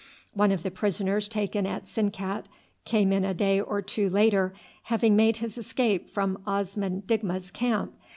One of the prisoners taken at Sinkat came in a day or two later, having made his escape from Osman Digma's camp.